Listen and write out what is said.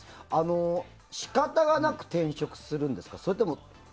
仕方がなく転職するんですか？